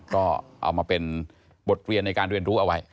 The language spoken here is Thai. ก็เอามาเป็นบทเรียนในการเรียนรู้เอาไว้